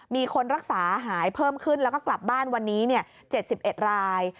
มีคนรักษาหายเพิ่มขึ้นแล้วก็กลับบ้านวันนี้๗๑ราย